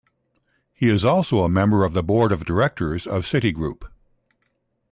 He is also a member of the Board of Directors of Citigroup.